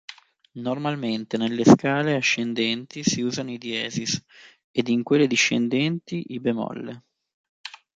Normalmente nelle scale ascendenti si usano i diesis ed in quelle discendenti i bemolle.